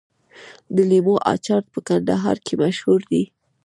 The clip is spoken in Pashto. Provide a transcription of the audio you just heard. د لیمو اچار په ننګرهار کې مشهور دی.